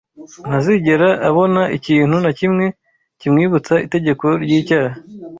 ntazigera abona ikintu na kimwe kimwibutsa itegeko ry’icyaha